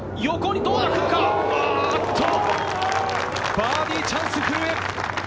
バーディーチャンス、古江。